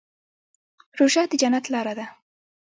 روژه د جنت لاره ده.